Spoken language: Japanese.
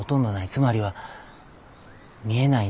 つまりは見えない